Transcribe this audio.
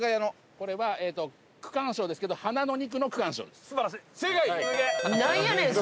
これは区間賞ですけど花の２区の区間賞です。